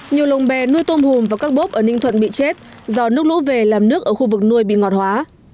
nhiều lồng bè nuôi tôm hùm và các bốp ở ninh thuận bị chết do nước lũ về làm nước ở khu vực nuôi bị ngọt hóa